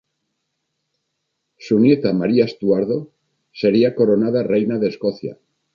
Su nieta María Estuardo sería coronada reina de Escocia.